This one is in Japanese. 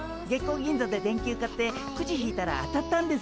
銀座で電球買ってクジ引いたら当たったんです。